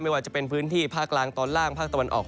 ว่าจะเป็นพื้นที่ภาคกลางตอนล่างภาคตะวันออก